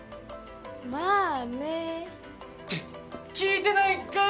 まあね！って聞いてないんかい！